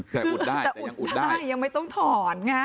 แต่อุ่นได้ยังไม่ต้องถอนไง